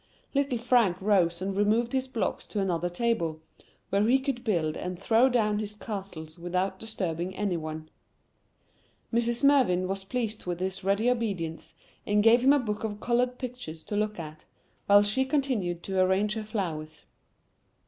Little Frank rose and removed his blocks to another table, where he could build and throw down his castles without disturbing any one. Mrs. Mervyn was pleased with his ready obedience, and gave him a book of colored pictures to look at, while she continued to arrange her flowers.